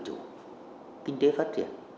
tự chủ kinh tế phát triển